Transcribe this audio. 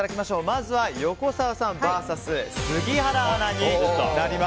まずは横澤さんＶＳ杉原アナ。